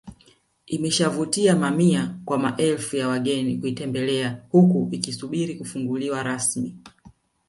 Imeshavutia mamia kwa maelfu ya wageni kuitembelea huku ikisubiri kufunguliwa rasmi